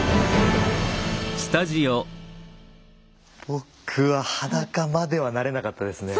僕は裸まではなれなかったですね。